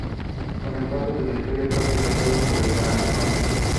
Con el paso de la historia, fue reemplazado por el canon.